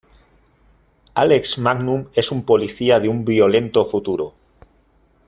Alex Magnum es un policía de un violento futuro.